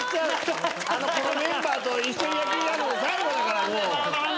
このメンバーと一緒に野球やるの最後だからもう。